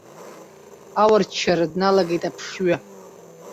Ауарчарра дналагеит аԥшҩы.